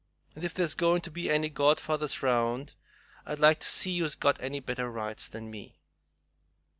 And ef there's goin' to be any godfathers round, I'd like to see who's got any better rights than me."